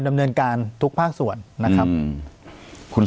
ปากกับภาคภูมิ